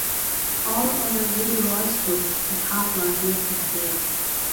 All other radioisotopes have half-lives less than a day.